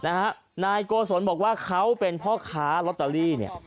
นายโกศลบอกว่าเขาเป็นพ่อค้าลอตเตอรี่เนี่ย